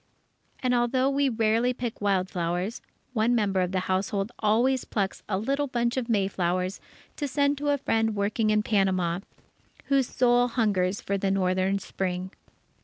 And although we rarely pick wild flowers, one member of the household always plucks a little bunch of mayflowers to send to a friend working in Panama, whose soul hungers for the northern Spring.